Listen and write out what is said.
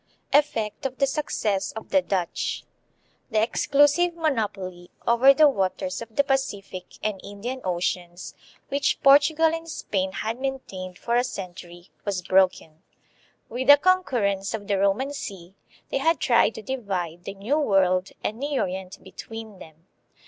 Effect of the Success of the Dutch. The exclusive monopoly over the waters of the Pacific and Indian Oceans, 190 THE PHILIPPINES. which Portugal and Spain had maintained for a century, was broken. With the concurrence of the Roman See, they had tried to divide the New World and the Orient between them.